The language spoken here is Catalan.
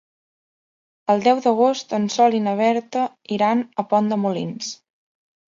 El deu d'agost en Sol i na Berta iran a Pont de Molins.